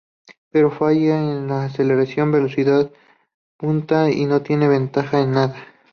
Pero falla en aceleración, velocidad punta y no tienes ventaja en nada.